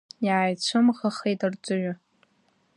Иааицәымӷахеит Арҵаҩы.